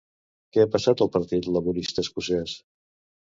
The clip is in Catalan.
Què ha passat al Partit Laborista escocès?